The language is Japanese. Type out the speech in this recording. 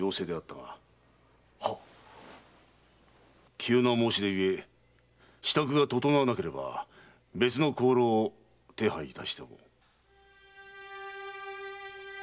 急な申し出ゆえ支度が整わねば別の香炉を手配いたしても。